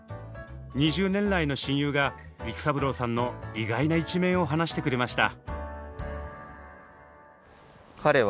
２０年来の親友が育三郎さんの意外な一面を話してくれました。